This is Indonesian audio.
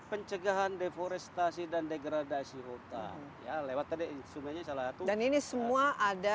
pencegahan deforestasi dan degradasi hutan ya lewat tadi instrumennya salah satu ini semua ada